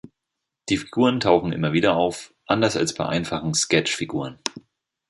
Die Figuren tauchen immer wieder auf, anders als bei einfachen „Sketch-Figuren“.